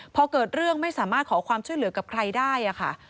พอเกิดเรื่องไม่สามารถขอความช่วยเหลือกับใครได้ค่ะ